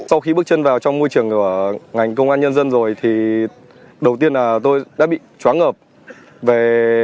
sau khi bước chân vào trong môi trường của ngành công an nhân dân rồi thì đầu tiên là tôi đã bị chóa ngợp